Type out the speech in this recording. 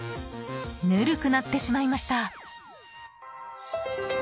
ぬるくなってしまいました。